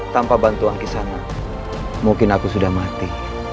tanpa bantuan kisana mungkin aku sudah mati